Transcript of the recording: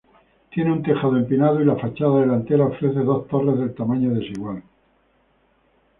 Tiene un tejado empinado y la fachada delantera ofrece dos torres del tamaño desigual.